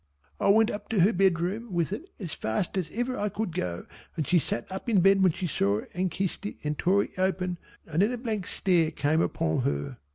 I went up to her bedroom with it as fast as ever I could go, and she sat up in bed when she saw it and kissed it and tore it open and then a blank stare came upon her.